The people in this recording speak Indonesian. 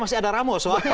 masih ada ramos